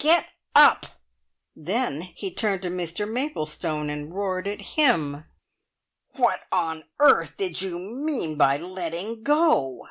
Get up!" Then he turned to Mr Maplestone, and roared at him: "What on earth did you mean by letting go?"